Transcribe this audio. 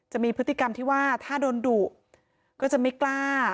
จะมีพฤติกรรมที่ว่าถ้าโดนดุก็จะไม่กล้า